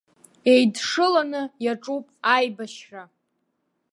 Еидшыланы иаҿуп аибашьра.